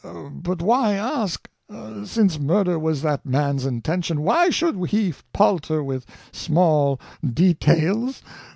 But why ask? Since murder was that man's intention, why should he palter with small details?